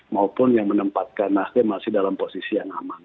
maupun yang menempatkan nasdem masih dalam posisi yang aman